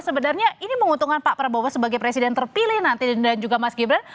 sebenarnya ini menguntungkan pak prabowo sebagai presiden terpilih nanti dan juga mas gibran